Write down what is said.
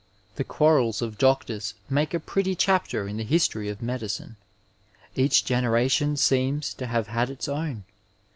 The quarrels of doct<n8 make a pretty chapter in the history of medicine. Each generation seems to have had its own.